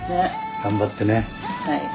頑張ってね。